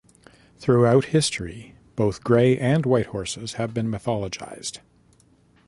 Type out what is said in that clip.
Throughout history, both gray and white horses have been mythologized.